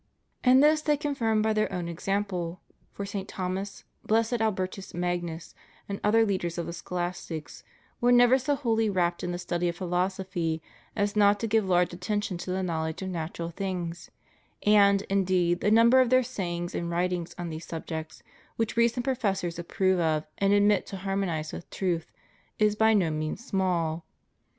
And this they confirmed by their own example; for St. Thomas, Blessed Albertus Magnus, and other leaders of the scholastics were never so wholly rapt in the study of philosophy as not to give large attention to the knowl edge of natural things; and, indeed, the number of their sayings and writings on these subjects, which recent professors approve of and admit to harmonize with truth, is by no means small.